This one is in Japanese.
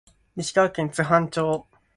石川県津幡町